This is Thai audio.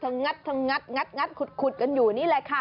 ต้องงัดทางงัดงัดขุดกันอยู่นี่แหละค่ะ